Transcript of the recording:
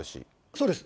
そうです。